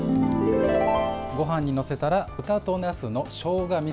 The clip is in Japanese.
ごはんに載せたら豚となすのしょうが